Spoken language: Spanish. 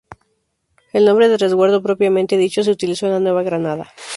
El nombre de "resguardo" propiamente dicho se utilizó en la Nueva Granada.